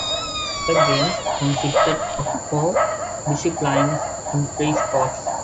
The games consisted of four disciplines in three sports.